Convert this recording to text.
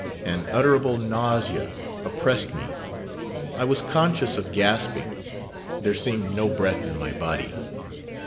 An utterable nausea oppressed me; I was conscious of gasping; there seemed no breath in my body.